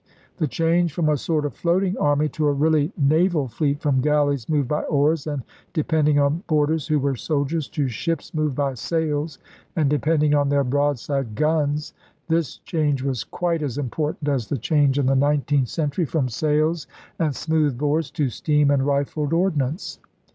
The change from a sort of floating army to a really naval fleet, from galleys moved by oars and de pending on boarders who were soldiers, to ships moved by sails and depending on their broadside guns — this change was quite as important as the change in the nineteenth century from sails and smooth bores to steam and rifled ordnance.